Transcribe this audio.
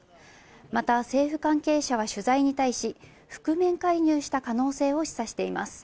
また政府関係者は取材に対し、覆面介入した可能性を示唆しています。